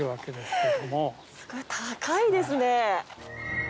すごい高いですね。